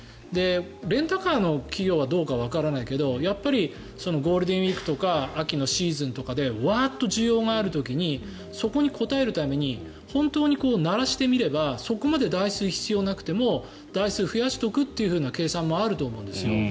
レンタカーの企業はどうかわからないけどやっぱりゴールデンウィークとか秋のシーズンとかでワーッと需要がある時にそこに応えるために本当にならしてみればそこまで台数必要なくても台数を増やしておくという計算もあると思うんですよ。